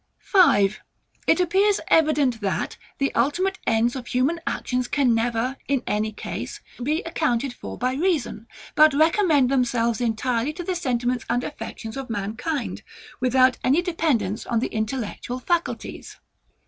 V. It appears evident that the ultimate ends of human actions can never, in any case, be accounted for by reason, but recommend themselves entirely to the sentiments and affections of mankind, without any dependance on the intellectual faculties.